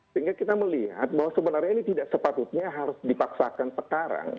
sehingga kita melihat bahwa sebenarnya ini tidak sepatutnya harus dipaksakan sekarang